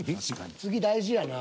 次大事やな。